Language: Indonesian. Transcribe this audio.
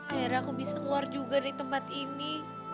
akhirnya aku bisa keluar juga di tempat ini